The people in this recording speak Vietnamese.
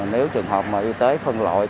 nếu trường hợp y tế phân lội